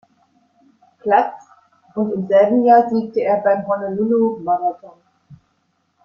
Platz, und im selben Jahr siegte er beim Honolulu-Marathon.